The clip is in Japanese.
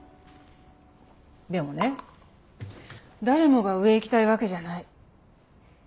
でもね誰もが上へ行きたいわけじゃない。